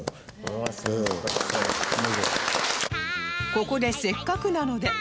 ここでせっかくなので